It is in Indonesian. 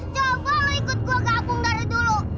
jangan ikut gue gabung dari dulu